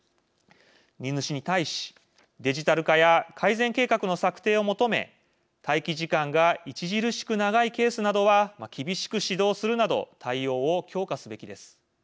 荷主に対しデジタル化や改善計画の策定を求め待機時間が著しく長いケースなどは厳しく指導するなど対応を強化すべきです。